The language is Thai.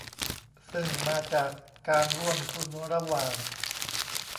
ซึ่งมาจากการร่วมทุนระหว่าง